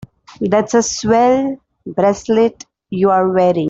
That's a swell bracelet you're wearing.